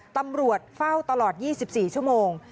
ตำรวจเฝ้าตลอด๒๔ชั่วโมง